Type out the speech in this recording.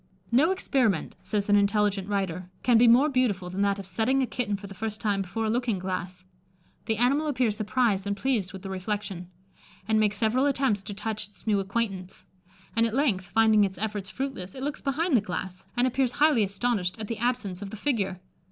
"No experiment," says an intelligent writer, "can be more beautiful than that of setting a kitten for the first time before a looking glass. The animal appears surprised and pleased with the reflection, and makes several attempts to touch its new acquaintance; and at length, finding its efforts fruitless, it looks behind the glass, and appears highly astonished at the absence of the figure.